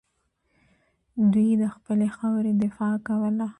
دوی د خپلې خاورې دفاع کوله